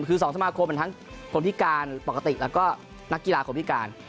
คือ๒สมาคมทั้งคนพิการปกติแล้วก็นักกีฬาคนพิการ